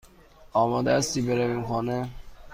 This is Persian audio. آماده هستی برویم خانه؟